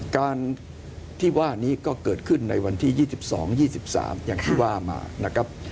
การที่ว่านี้ก็เกิดขึ้นในวันที่๒๒๒๓อย่างที่ว่ามานะครับ